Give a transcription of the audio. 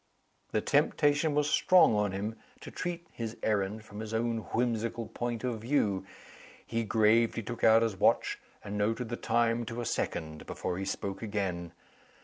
The temptation was strong on him to treat his errand from his own whimsical point of view. He gravely took out his watch, and noted the time to a second, before he spoke again.